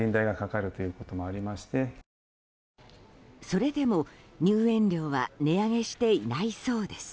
それでも入園料は値上げしていないそうです。